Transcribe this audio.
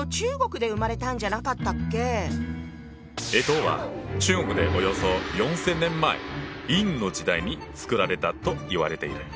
干支は中国でおよそ４，０００年前殷の時代に作られたといわれている。